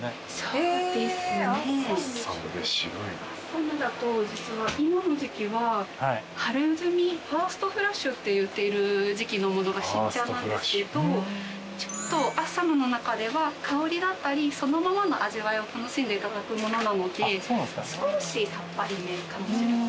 アッサムだと実は今の時季は春摘み１ｓｔフラッシュって言っている時季のものが新茶なんですけどちょっとアッサムの中では香りだったりそのままの味わいを楽しんでいただくものなので少しさっぱりめかもしれません。